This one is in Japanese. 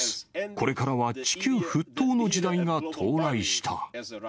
これからは地球沸騰の時代が到来した。